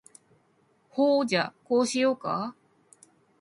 ほーじゃ、こうしようか？